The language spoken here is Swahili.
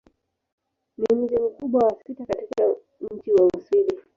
Ni mji mkubwa wa sita katika nchi wa Uswidi.